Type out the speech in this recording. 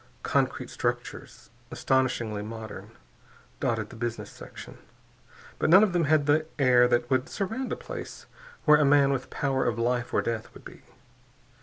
Concrete structures, astonishingly modern, dotted the business section. But none of them had the air that would surround a place where a man with power of life or death would be.